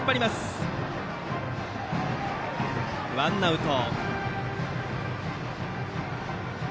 ワンアウト。